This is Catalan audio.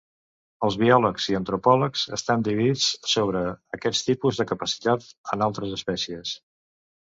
Els biòlegs i antropòlegs estan dividits sobre aquest tipus de capacitat en altres espècies.